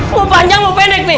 mau panjang mau pendek nih